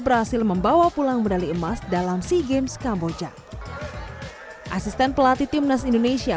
berhasil membawa pulang medali emas dalam sea games kamboja asisten pelatih timnas indonesia